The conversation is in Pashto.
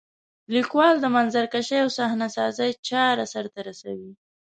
لیکوال د منظرکشۍ او صحنه سازۍ چاره سرته رسوي.